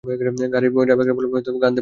গাড়ির ড্রাইভার বলল, গান দেব স্যার?